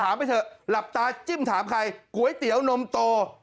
ไปเถอะหลับตาจิ้มถามใครก๋วยเตี๋ยวนมโต